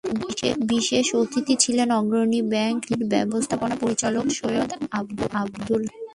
বিশেষ অতিথি ছিলেন অগ্রণী ব্যাংক লিমিটেডের ব্যবস্থাপনা পরিচালক সৈয়দ আবদুল হামিদ।